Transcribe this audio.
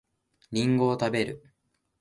りんごを食べる